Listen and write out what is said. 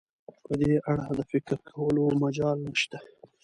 په دې اړه د فکر کولو مجال نشته.